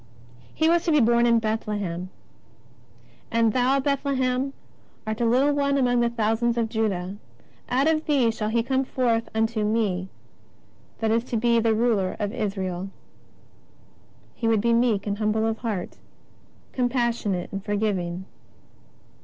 * He was to be born in Bethlehem : "And thou, Bethle hem, art a little one among the thousands of Juda; out of thee shall He come forth unto Me that is to be the Ruler in Israel." t He would be meek and humble of Heart, compassion ate and forgiving.